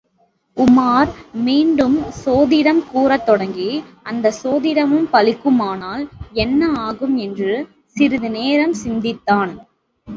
உமார் மீண்டும் சோதிடம் கூறத் தொடங்கி, அந்தச் சோதிடமும் பலிக்குமானால் என்ன ஆகும் என்று சிறிது நேரம் சிந்தித்தான்.